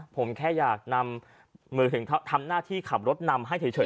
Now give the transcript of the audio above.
ผมแค่อยากนำมือถึงทำหน้าที่ขับรถนำให้เฉย